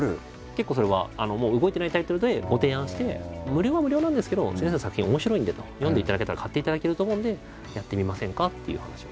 結構それはもう動いてないタイトルでご提案して「無料は無料なんですけど先生の作品面白いんで読んでいただけたら買っていただけると思うんでやってみませんか？」っていう話を。